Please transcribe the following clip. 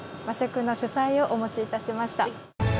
和食の主菜をお持ちいたしました。